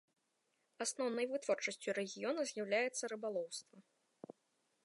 Асноўнай вытворчасцю рэгіёна з'яўляецца рыбалоўства.